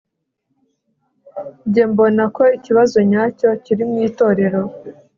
jye mbona ko ikibazo nyacyo kiri mu itorero